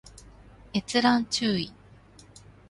閲覧注意